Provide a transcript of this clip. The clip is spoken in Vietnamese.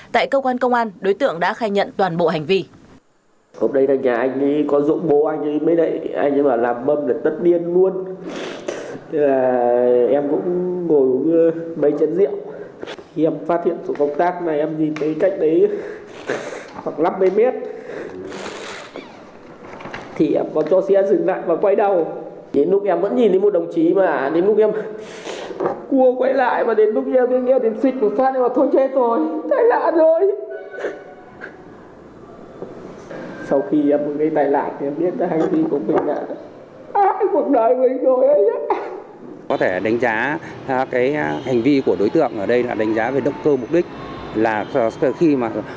tại cơ quan công an đối tượng đã đưa ra xét nghiệm máu cho thấy nồng độ cồn trong máu của đối tượng là tám mươi ba mg trên một lít khí thở